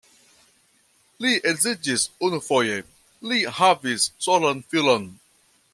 Li edziĝis unufoje, li havis solan filon.